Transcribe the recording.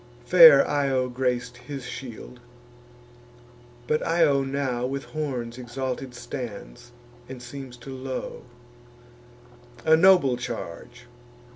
Fair Io grac'd his shield; but Io now With horns exalted stands, and seems to low— A noble charge!